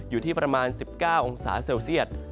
อยู่ที่ประมาณ๑๙องศาเซลเซียต